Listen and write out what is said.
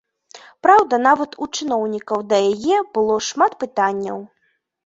Праўда, нават у чыноўнікаў да яе было шмат пытанняў.